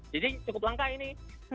jadi cukup langka ini